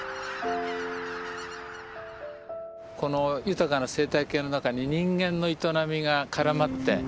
この豊かな生態系の中に人間の営みが絡まって。